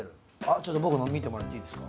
ちょっと僕の見てもらっていいですか？